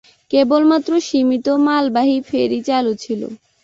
কেবলমাত্র সীমিত মালবাহী ফেরী চালু ছিলো।